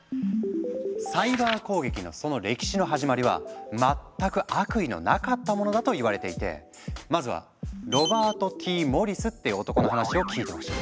サイバー攻撃のその歴史の始まりは全く悪意のなかったものだといわれていてまずはロバート・Ｔ・モリスって男の話を聞いてほしい。